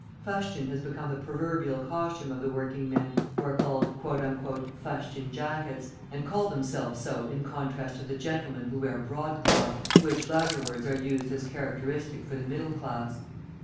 Fustian has become the proverbial costume of the working men, who are called "fustian jackets," and call themselves so in contrast to the gentlemen who wear broadcloth, which latter words are used as characteristic for the middle class.